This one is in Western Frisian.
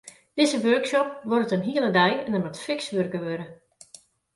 Dizze workshop duorret in hiele dei en der moat fiks wurke wurde.